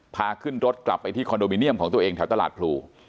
พาขึ้นรถกลับไปที่คอนโดมิเนียมของตัวเองแถวตลาดพลู